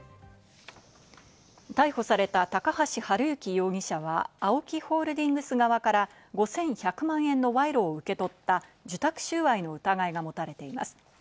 逮捕された高橋治之容疑者は、ＡＯＫＩホールディングス側から５１００万円の賄賂を受け取った受託収賄の疑いが持たれています。